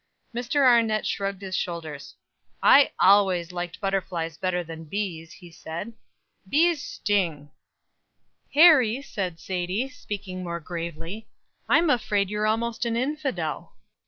Mr. Arnett shrugged his shoulders. "I always liked butterflies better than bees," he said. "Bees sting." "Harry," said Sadie, speaking more gravely, "I'm afraid you're almost an infidel."